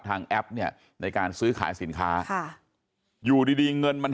แอปเนี่ยในการซื้อขายสินค้าค่ะอยู่ดีดีเงินมัน